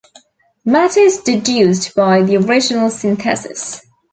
Matter is deduced by the original synthesis.